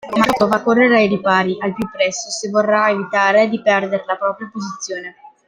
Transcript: Microsoft dovrà correre ai ripari al più presto se vorrà evitare di perdere la propria posizione.